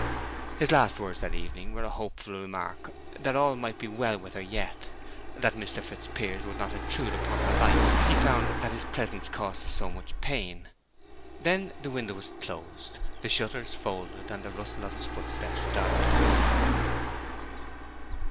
His last words that evening were a hopeful remark that all might be well with her yet; that Mr. Fitzpiers would not intrude upon her life, if he found that his presence cost her so much pain. Then the window was closed, the shutters folded, and the rustle of his footsteps died away.